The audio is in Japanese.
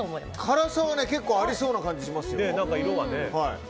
辛さは結構ありそうな感じしますよ。